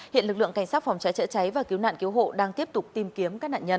hiện lực lượng cảnh sát phòng cháy chữa cháy và cứu nạn cứu hộ đang tiếp tục tìm kiếm các nạn nhân